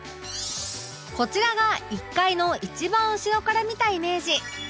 こちらが１階の一番後ろから見たイメージ